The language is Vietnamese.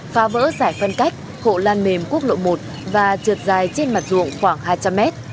phá vỡ giải phân cách hộ lan mềm quốc lộ một và trượt dài trên mặt ruộng khoảng hai trăm linh mét